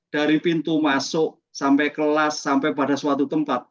dari pintu masuk sampai kelas sampai pada suatu tempat